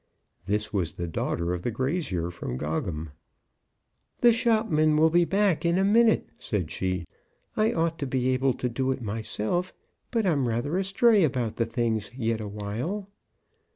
This was the daughter of the grazier from Gogham. "The shopman will be back in a minute," said she. "I ought to be able to do it myself, but I'm rather astray about the things yet awhile."